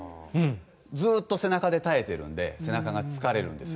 ずっと背中で耐えているので背中が疲れるんです。